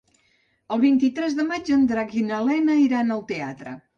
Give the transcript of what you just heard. El vint-i-tres de maig en Drac i na Lena iran al teatre.